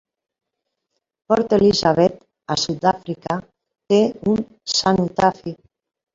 Port Elizabeth, a Sudàfrica, té un cenotafi.